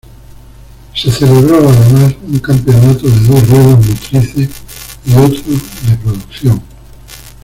Se celebró además un campeonato de dos ruedas motrices y otro de producción.